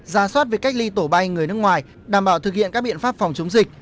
ra soát việc cách ly tổ bay người nước ngoài đảm bảo thực hiện các biện pháp phòng chống dịch